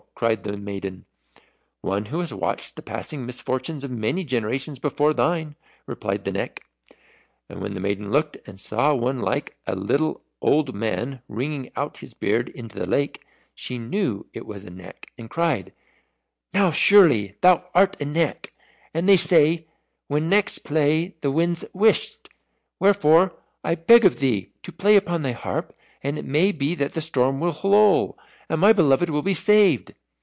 cried the maiden. "One who has watched the passing misfortunes of many generations before thine," replied the Neck. And when the maiden looked, and saw one like a little old man wringing out his beard into the lake, she knew it was a Neck, and cried, "Now surely thou art a Neck, and they say, 'When Necks play, the winds wisht;' wherefore I beg of thee to play upon thy harp, and it may be that the storm will lull, and my beloved will be saved."